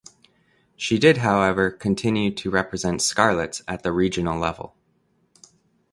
She did however continue to represent Scarlets at the regional level.